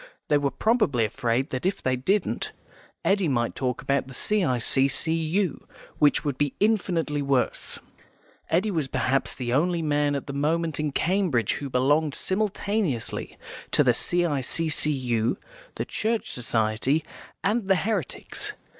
They were probably afraid that if they didn't Eddy might talk about the C.I.C.C.U., which would be infinitely worse. Eddy was perhaps the only man at the moment in Cambridge who belonged simultaneously to the C.I.C.C.U., the Church Society, and the Heretics.